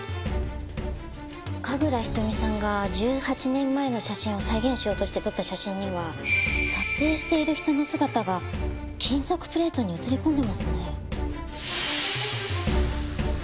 神楽瞳さんが１８年前の写真を再現しようとして撮った写真には撮影している人の姿が金属プレートに映り込んでますね。